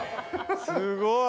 すごい。